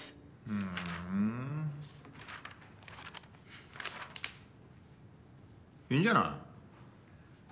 ふーん、いいんじゃない？